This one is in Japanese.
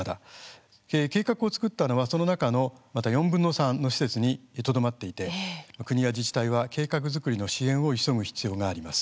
計画を作ったのはその中の４分の３の施設にとどまっていて国や自治体は計画作りの支援を急ぐ必要があります。